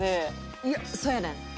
いやそうやねん！